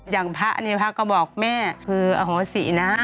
อย่างพระเนี่ยพระก็บอกแม่คืออโหสินะ